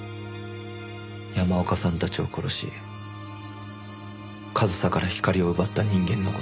山岡さんたちを殺し和沙から光を奪った人間の事を。